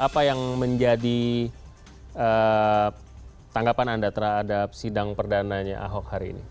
apa yang menjadi tanggapan anda terhadap sidang perdananya ahok hari ini